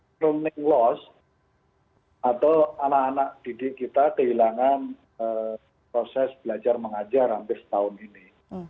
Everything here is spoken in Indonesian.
jadi running loss atau anak anak didik kita kehilangan proses belajar mengajar hampir setahun ini